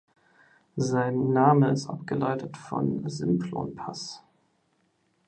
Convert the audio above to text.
Sein Name ist abgeleitet vom Simplonpass.